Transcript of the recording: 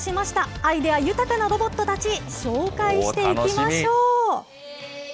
アイデア豊かなロボットたち、紹介していきましょう。